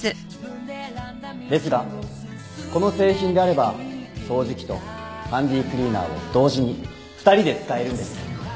ですがこの製品であれば掃除機とハンディークリーナーを同時に２人で使えるんです。